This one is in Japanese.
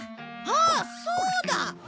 ああそうだ！